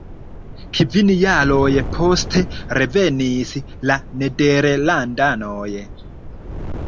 Kvin jaroj poste revenis la nederlandanoj.